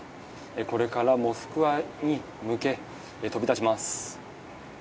これからモスクワに向け飛び立ちます。